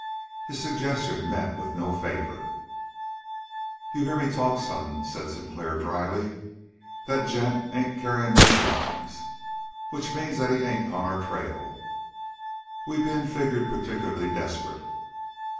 His suggestion met with no favor. "You hear me talk, son," said Sinclair dryly. "That gent ain't carrying no guns, which means that he ain't on our trail, we being figured particularly desperate."